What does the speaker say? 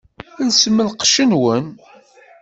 Lsem lqecc-nwen!